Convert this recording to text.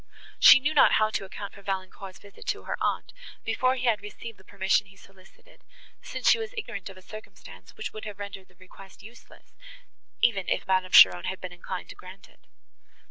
She knew not how to account for Valancourt's visit to her aunt, before he had received the permission he solicited, since she was ignorant of a circumstance, which would have rendered the request useless, even if Madame Cheron had been inclined to grant it.